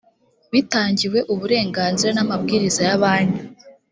bitangiwe uburenganzira n amabwiriza ya banki